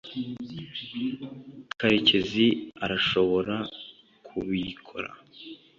karekezi arashobora kubikora